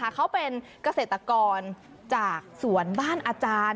เขาเป็นเกษตรกรจากสวนบ้านอาจารย์